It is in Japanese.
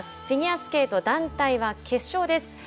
フィギュアスケート団体は決勝です。